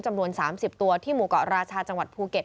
จำนวน๓๐ตัวที่หมู่เกาะราชาจังหวัดภูเก็ต